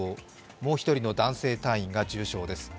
もう１人の男性隊員が重傷です。